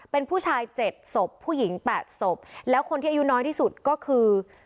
เป็นผู้ชาย๗ศพผู้หญิง๘ศพแล้วคนที่อายุน้อยที่สุดก็คือ